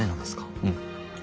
うん。